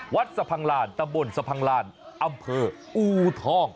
สะพังลานตำบลสะพังลานอำเภออูทอง